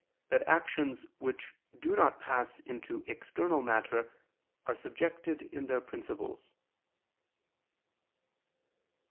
that actions which do not pass into external matter are subjected in their principles.